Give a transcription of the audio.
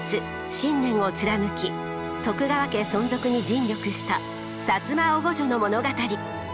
信念を貫き徳川家存続に尽力した摩おごじょの物語。